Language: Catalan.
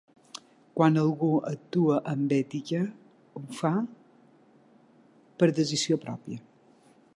Quan algú actua amb ètica, ho fa per decisió pròpia.